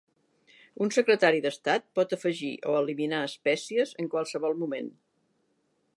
Un secretari d'estat pot afegir o eliminar espècies en qualsevol moment.